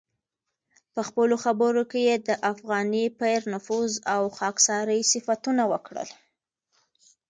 په خپلو خبرو کې یې د افغاني پیر نفوذ او خاکساري صفتونه وکړل.